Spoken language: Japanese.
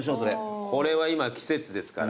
これは今季節ですから。